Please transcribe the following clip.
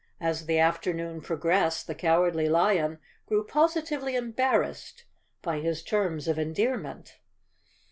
As the afternoon progressed the Cowardly Lion grew positively embar¬ rassed by his terms of endearment.